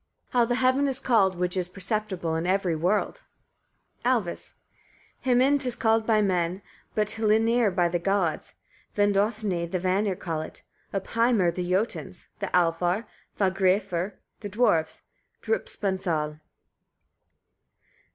how the heaven is called, which is perceptible in every world. Alvis. 13. Himinn 'tis called by men; but hlyrnir with the gods; vindofni the Vanir call it, uppheimr the Jotuns, the Alfar fagraræfr, the dwarfs driupansal.